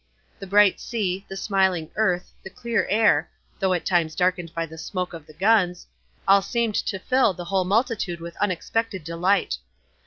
The bright sea, the smiling earth, the clear air though at times darkened by the smoke of the guns all seemed to fill the whole multitude with unexpected delight.